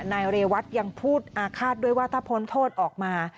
นายเรวัตยังพูดอาฆาตด้วยว่าถ้าพ้นโทษออกมา